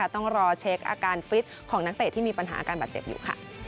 ต้องรอเช็คอาการฟิตของนักเตะที่มีปัญหาอาการบาดเจ็บอยู่